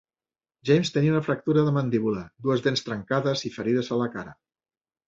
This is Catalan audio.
James tenia una fractura de mandíbula, dues dents trencades i ferides a la cara.